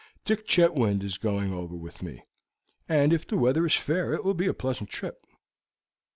Dick Chetwynd is going over with me, and if the weather is fair it will be a pleasant trip."